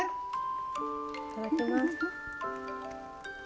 いただきます。